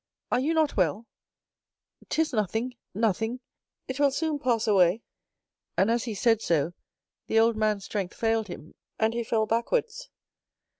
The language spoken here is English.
Are you not well?" "'Tis nothing, nothing; it will soon pass away"—and as he said so the old man's strength failed him, and he fell backwards.